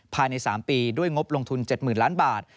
ภายใน๓ปีด้วยงบลงทุน๗๐๐ล้านบาท